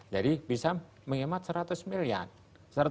bisa menghemat seratus miliar